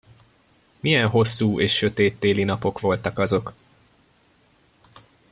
Milyen hosszú és sötét téli napok voltak azok!